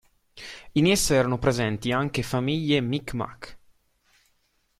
In essa erano presenti anche famiglie Mi'kmaq.